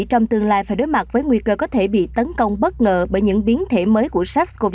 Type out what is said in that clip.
trong tương lai phải đối mặt với nguy cơ có thể bị tấn công bất ngờ bởi những biến thể mới của sars cov hai